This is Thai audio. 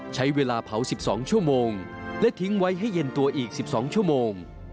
ใช้เวลาเผา๑๒ชั่วโมงและทิ้งไว้ให้เย็นตัวอีก๑๒ชั่วโมง